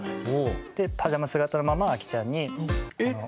でパジャマ姿のままアキちゃんにあの結婚。